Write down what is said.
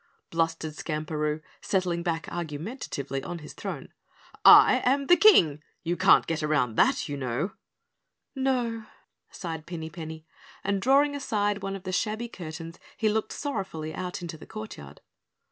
blustered Skamperoo, settling back argumentatively on his throne. "I am the KING! You can't get around that, you know." "No," sighed Pinny Penny, and drawing aside one of the shabby curtains he looked sorrowfully out into the courtyard.